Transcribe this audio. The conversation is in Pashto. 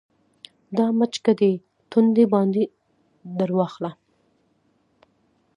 دا مچکه دې تندي باندې درواخله